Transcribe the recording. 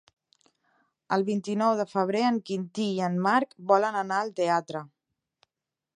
El vint-i-nou de febrer en Quintí i en Marc volen anar al teatre.